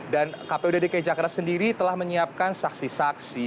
dan kpod dki jakarta sendiri telah menyiapkan saksi saksi